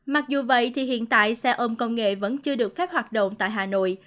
mặc dù vậy thì hiện tại xe ôm công nghệ vẫn chưa được phép hoạt động tại hà nội